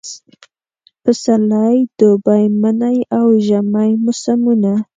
پسرلی، دوبی، منی اوژمی موسمونه